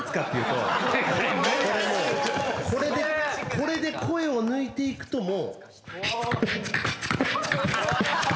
これで声を抜いていくともう。